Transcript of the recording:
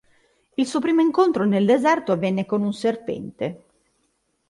Il suo primo incontro, nel deserto, avviene con un serpente.